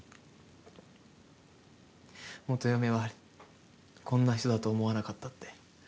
元嫁はこんな人だと思わなかったって。